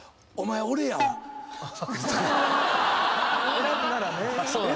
選ぶならね。